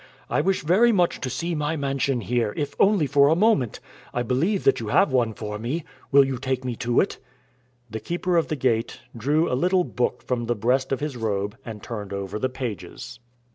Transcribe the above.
I wish very much to see my mansion here, if only for a moment. I believe that you have one for me. Will you take me to it?" The Keeper of the Gate drew a little book from the breast of his robe and turned over the pages.